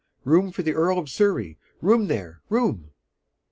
Room for the Earl of Surrey, room there, room!'.